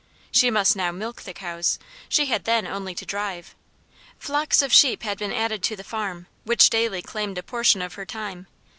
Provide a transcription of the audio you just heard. She must now MILK the cows, she had then only to drive. Flocks of sheep had been added to the farm, which daily claimed a portion of her time.